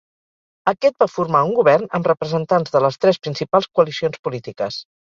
Aquest va formar un govern amb representants de les tres principals coalicions polítiques.